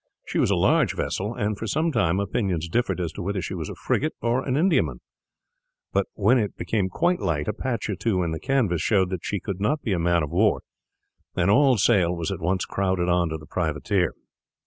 She was a large vessel, and for some time opinions differed as to whether she was a frigate or an Indiaman; but when it became quite light a patch or two in the canvas showed that she could not be a man of war, and all sail was at once crowded on to the privateer.